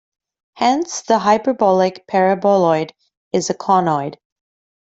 Hence the hyperbolic paraboloid is a conoid.